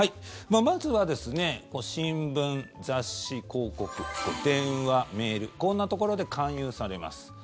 まずはですね新聞、雑誌、広告電話、メールこんなところで勧誘されます。